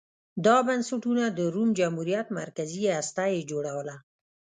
دا بنسټونه د روم جمهوریت مرکزي هسته یې جوړوله